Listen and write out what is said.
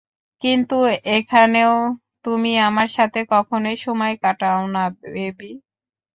কিন্তু এখানেও, তুমি আমার সাথে কখনোই সময় কাটাও না, বেবি।